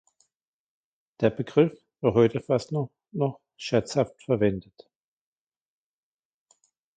Der Begriff wird heute fast nur noch scherzhaft verwendet.